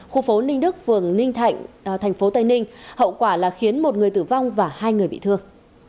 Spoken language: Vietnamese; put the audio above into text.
khu phố ninh đức phường ninh thạnh thành phố tây ninh hậu quả là khiến một người tử vong và hai người bị thương